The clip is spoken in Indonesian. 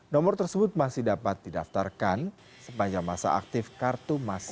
nomor tersebut masih dapat didaftarkan sepanjang masa aktif kartu mahasiswa